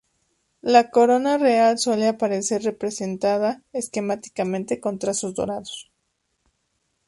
La corona real suele aparecer representada esquemáticamente con trazos dorados.